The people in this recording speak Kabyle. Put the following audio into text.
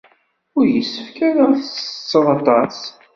Ur yessefk ara ad tettetted aṭas.